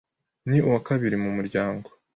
Ni uwa kabiri mu muryango